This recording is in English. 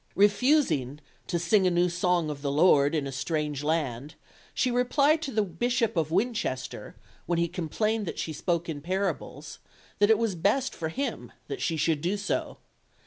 Refusing "to sing a new song of the Lord in a strange land," she replied to the Bishop of Winchester, when he complained that she spoke in parables, that it was best for him that she should do so.